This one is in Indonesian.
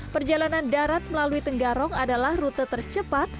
perjalanan darat melalui tenggarong adalah rute tercepat